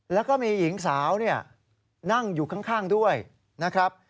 แล้วก็มีหญิงสาวนั่งอยู่ข้างด้วยนะครับ